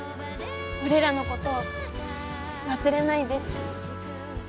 俺らのこと忘れないで。